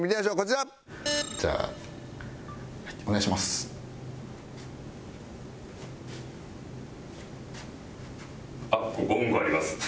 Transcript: じゃあお願いします。